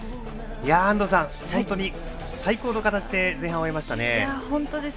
安藤さん、本当に最高の形で前半を終えましたね。